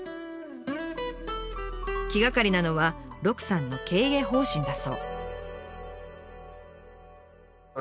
気がかりなのは鹿さんの経営方針だそう。